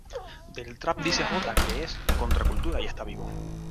Del trap dice Jota que "es contracultura y está vivo.